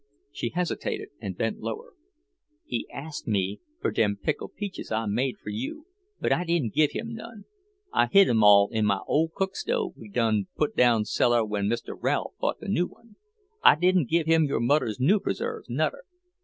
She hesitated and bent lower. "He asked me fur them pickled peaches I made fur you, but I didn't give him none. I hid 'em all in my old cook stove we done put down cellar when Mr. Ralph bought the new one. I didn't give him your mudder's new preserves, nudder.